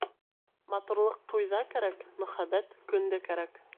Матурлыҡ туйҙа кәрәк, мөхәббәт көндә кәрәк.